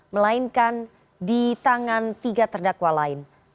melainkan di tangan tiga terdakwa lain